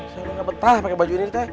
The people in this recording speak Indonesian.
saya emang gak betah pakai baju ini teh